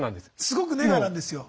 すごくネガなんですよ。